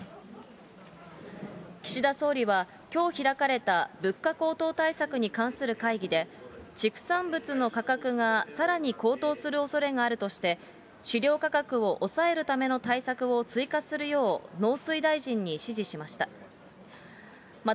岸田総理は、きょう開かれた物価高騰対策に関する会議で、畜産物の価格がさらに高騰するおそれがあるとして、飼料価格を抑えるための対策を追加するよう、農水大臣に指示しました。